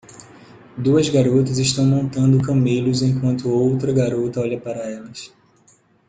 Duas garotas estão montando camelos enquanto outra garota olha para elas.